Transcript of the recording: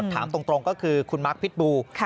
ถามตรงก็คือคุณมั๊กพิษบูล